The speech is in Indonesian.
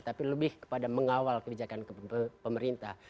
tapi lebih kepada mengawal kebijakan pemerintah